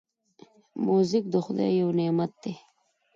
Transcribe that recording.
موزیک د خدای یو نعمت دی.